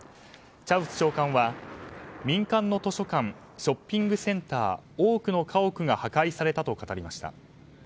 チャウス長官は、民間の図書館ショッピングセンター多くの家屋が破壊されたと語りました。